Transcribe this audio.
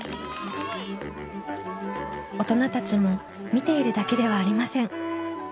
大人たちも見ているだけではありません。